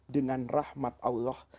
dengan rahmat allah